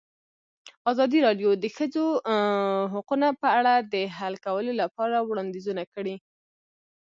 ازادي راډیو د د ښځو حقونه په اړه د حل کولو لپاره وړاندیزونه کړي.